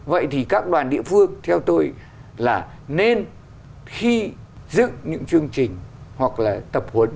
vậy thì các đoàn địa phương theo tôi là nên khi dựng những chương trình hoặc là tập huấn